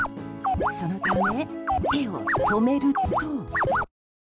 そのため、手を止めると。